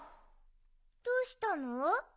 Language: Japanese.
どうしたの？